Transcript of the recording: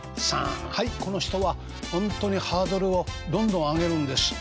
はいこの人はほんとにハードルをどんどん上げるんです。